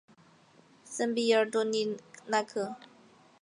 圣皮耶尔多里拉克。